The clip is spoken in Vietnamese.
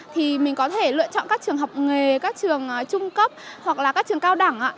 thì mình có thể lựa chọn các trường học nghề các trường trung cấp hoặc là các trường cao đẳng